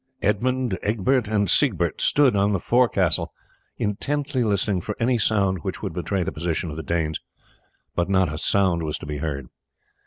Edmund, Egbert, and Siegbert stood on the forecastle intently listening for any sound which would betray the position of the Danes, but not a sound was to be heard.